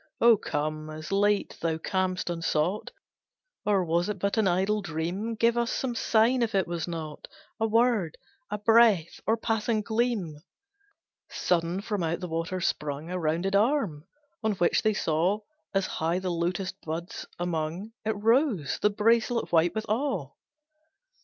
Oh come, as late thou cam'st unsought, Or was it but an idle dream? Give us some sign if it was not, A word, a breath, or passing gleam." Sudden from out the water sprung A rounded arm, on which they saw As high the lotus buds among It rose, the bracelet white, with awe.